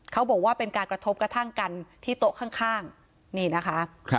เขาบอกว่าเป็นการกระทบกระทั่งกันที่โต๊ะข้างนี่นะคะ